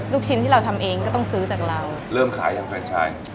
ลูกชิ้นที่เราทำเองก็ต้องซื้อจากเรา